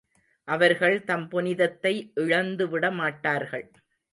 அவர்கள் தம் புனிதத்தை இழந்துவிட மாட்டார்கள்.